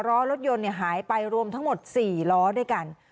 ล้อรถยนต์หายไปรวมทั้งหมด๔ล้อด้วยกัน